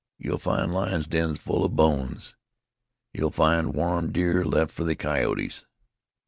You'll find lions' dens full of bones. You'll find warm deer left for the coyotes.